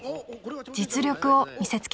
［実力を見せつけました］